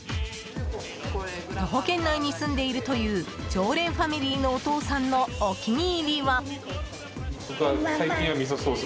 徒歩圏内に住んでいるという常連ファミリーのお父さんのお気に入りは。